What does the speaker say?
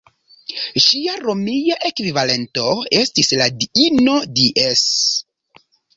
Ŝia romia ekvivalento estis la diino "Dies".